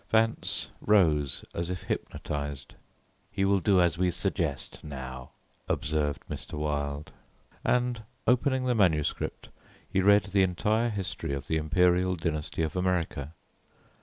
Vance rose as if hypnotized. "He will do as we suggest now," observed Mr. Wilde, and opening the manuscript, he read the entire history of the Imperial Dynasty of America.